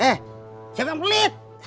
eh siapa yang pelit